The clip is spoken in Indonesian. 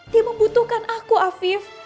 dia membutuhkan aku afif